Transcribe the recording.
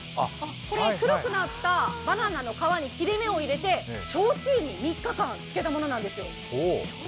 黒くなったバナナの皮に切れ目を入れて焼酎に３日間漬けたものなんですよ